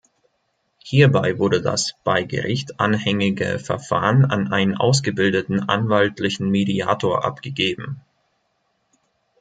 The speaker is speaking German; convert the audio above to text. Hierbei wurde das bei Gericht anhängige Verfahren an einen ausgebildeten anwaltlichen Mediator abgegeben.